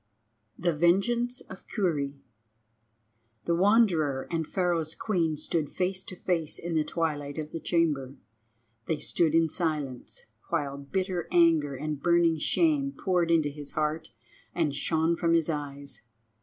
THE VENGEANCE OF KURRI The Wanderer and Pharaoh's Queen stood face to face in the twilight of the chamber. They stood in silence, while bitter anger and burning shame poured into his heart and shone from his eyes.